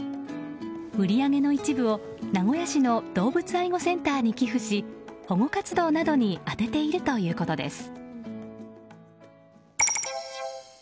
売り上げの一部を名古屋市の動物愛護センターに寄付し、保護活動などに充てているということです。